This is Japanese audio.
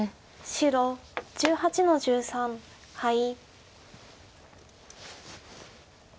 白１８の十三ハイ。